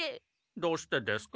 どうしてですか？